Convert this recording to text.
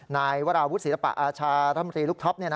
ในวราวุฒิศพระอาชารณ์รัฐมนตรีลูกท็อป